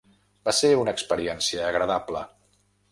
Va ser una experiència agradable.